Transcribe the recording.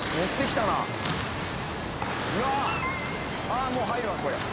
あもう入るわこれ。